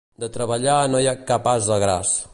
De treballar no hi ha cap ase gras.